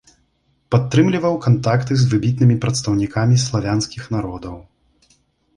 Падтрымліваў кантакты з выбітнымі прадстаўнікамі славянскіх народаў.